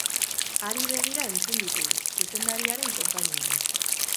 Hari begira entzun ditugu, zuzendariaren konpainian.